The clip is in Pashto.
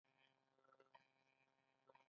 خدای دې په واورو کې ايسار کړه.